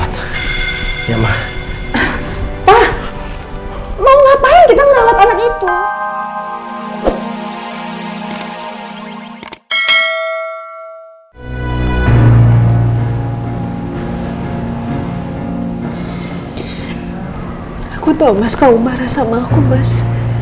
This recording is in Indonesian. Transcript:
aku tahu mas kau marah sama aku mas